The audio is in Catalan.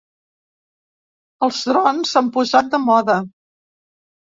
Els drons s’han posat de moda.